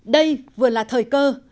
đây vừa là thời cơ